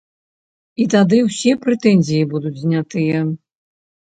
І тады ўсе прэтэнзіі будуць знятыя.